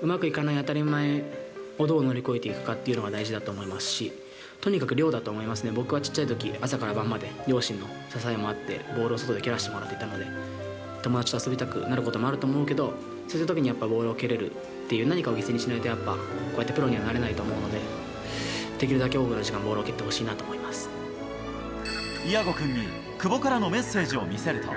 うまくいかない、当たり前をどう乗り越えていくかというのが大事だと思いますし、とにかく量だと思いますね、僕はちっちゃいとき、朝から晩まで、両親の支えもあって、ボールを外でけらしてもらってたので、友達と遊びたくなることもあると思うけど、そういうときにやっぱ、ボールを蹴るっていう、何かを犠牲にしないとやっぱこうやってプロにはなれないと思うので、できるだけ多くの時間、ボールをイアゴ君に、久保からのメッセージを見せると。